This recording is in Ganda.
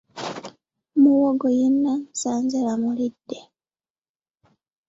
Muwogo yenna nsanze bamulidde.